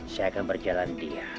saya akan berjalan dia